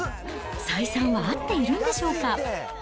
採算は合っているんでしょうか。